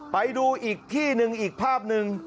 ไปดูอีกที่หนึ่งอีกภาพหนึ่ง